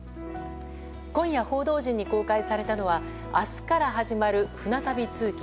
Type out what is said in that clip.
今夜、報道陣に公開されたのは明日から始まる舟旅通勤。